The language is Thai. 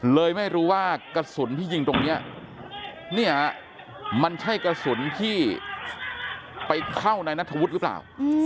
เลยไม่รู้ว่ากระสุนที่ยิงตรงนี้เนี่ยมันใช่กระสุนที่ไปเข้านายนัทธวุฒิหรือเปล่า